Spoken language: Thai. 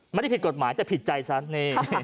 ไม่ได้ผิดกฎหมายแต่ผิดใจฉันนี่